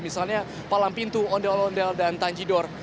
misalnya palang pintu ondel ondel dan tanjidor